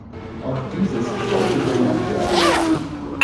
Auch dieses sollte bemerkt werden.